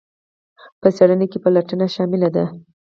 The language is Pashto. په څیړنه کې پلټنه شامله ده.